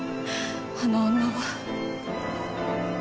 あの女は。